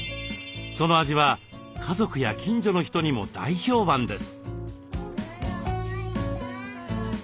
その味は家族や近所の人にも大評判です。